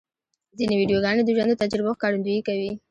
ځینې ویډیوګانې د ژوند د تجربو ښکارندویي کوي.